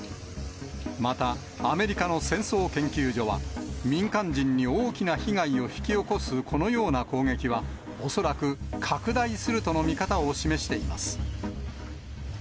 またアメリカの戦争研究所は、民間人に大きな被害を引き起こすこのような攻撃は、恐らく拡大するとの見方を示しています。